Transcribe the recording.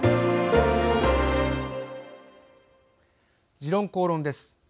「時論公論」です。